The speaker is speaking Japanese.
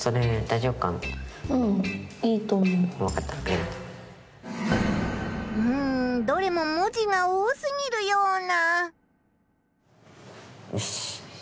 うんうんどれも文字が多すぎるような。